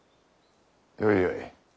よいよい。